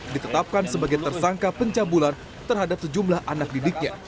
ditetapkan sebagai tersangka pencabulan terhadap sejumlah anak didiknya